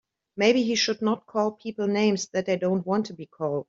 Maybe he should not call people names that they don't want to be called.